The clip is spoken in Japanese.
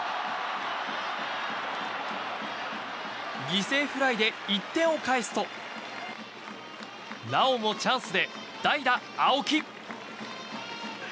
犠牲フライで１点を返すとなおもチャンスで代打、青木。